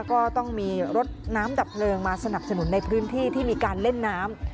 ก็ต้องมีรถน้ำดับเพลิงมาสนับสนุนในพื้นที่ที่มีการเล่นน้ำ